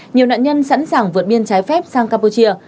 nhiều nạn nhân sẵn sàng vượt biên trái phép sang campuchia